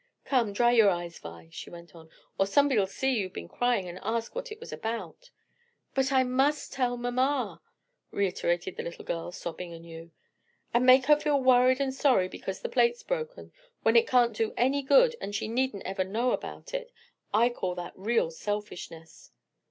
"Come, dry your eyes, Vi," she went on, "or somebody'll see you've been crying and ask what it was about." "But I must tell mamma," reiterated the little girl, sobbing anew. "And make her feel worried and sorry because the plate's broken, when it can't do any good, and she needn't ever know about it. I call that real selfishness."